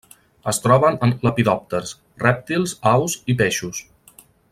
Es troben en lepidòpters, rèptils, aus i peixos.